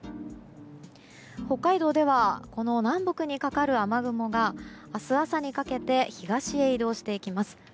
北海道では南北にかかる雨雲が明日朝にかけて東へ移動していきます。